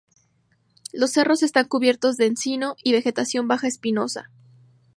Los cerros están cubiertos de encino y vegetación baja espinosa.